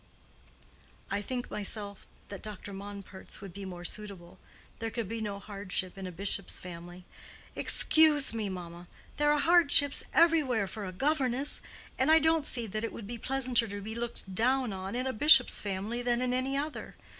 "I think, myself, that Dr. Monpert's would be more suitable. There could be no hardship in a bishop's family." "Excuse me, mamma. There are hardships everywhere for a governess. And I don't see that it would be pleasanter to be looked down on in a bishop's family than in any other.